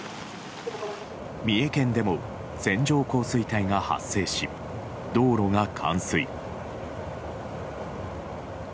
三重県でも線状降水帯が発生し道路が冠水。